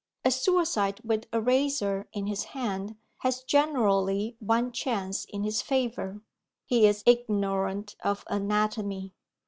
A suicide with a razor in his hand has generally one chance in his favour he is ignorant of anatomy.